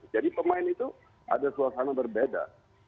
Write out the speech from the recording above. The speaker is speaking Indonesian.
jadi pemain itu ada suasana berbeda